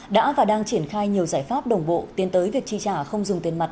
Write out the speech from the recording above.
đã và đang triển khai nhiều giải pháp đồng bộ tiến tới việc chi trả không dùng tiền mặt